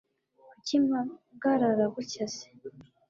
kuki mpagarara gutya se